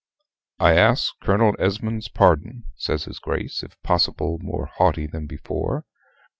"I ask Colonel Esmond's pardon," says his Grace, if possible more haughty than before.